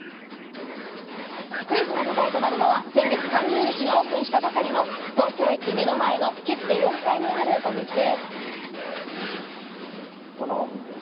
クイズの舞台となるのは先月３０日にオープンしたばかりの東京駅目の前のＫＩＴＴＥ４階にあるお店。